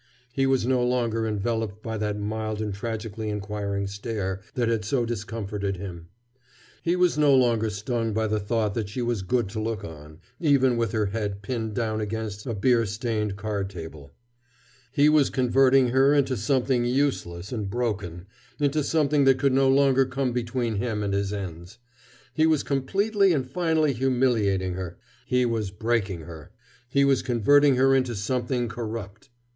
He was no longer enveloped by that mild and tragically inquiring stare that had so discomforted him. He was no longer stung by the thought that she was good to look on, even with her head pinned down against a beer stained card table. He was converting her into something useless and broken, into something that could no longer come between him and his ends. He was completely and finally humiliating her. He was breaking her. He was converting her into something corrupt.